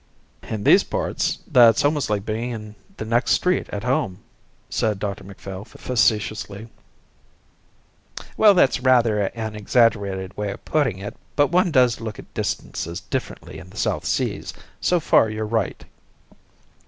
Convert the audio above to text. "In these parts that's almost like being in the next street at home," said Dr Macphail facetiously. "Well, that's rather an exaggerated way of putting it, but one does look at distances differently in the South Seas. So far you're right."